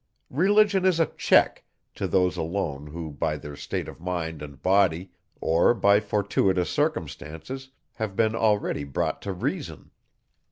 Religion is a check, to those alone who by their state of mind and body, or by fortuitous circumstances, have been already brought to reason.